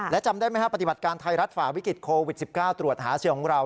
และจำได้ไหมครับปฏิบัติการไทยรัฐฝ่าวิกฤตโควิด๑๙ตรวจหาเชื้อของเรา